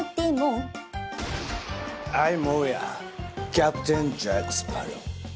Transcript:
キャプテンジャック・スパロウ。